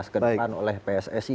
kedatangan oleh pssi